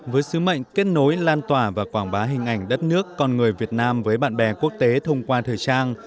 với sứ mệnh kết nối lan tỏa và quảng bá hình ảnh đất nước con người việt nam với bạn bè quốc tế thông qua thời trang